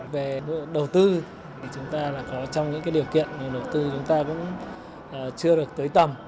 về đầu tư thì chúng ta là có trong những điều kiện mà đầu tư chúng ta cũng chưa được tới tầm